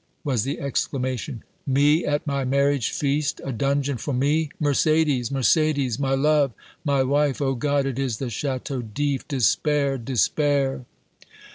was the exclamation "me! at my marriage feast! A dungeon for me! Mercédès! Mercédès! My love my wife! Oh! God! it is the Château d'If! Despair despair!"